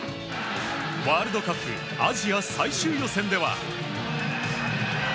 ワールドカップアジア最終予選では。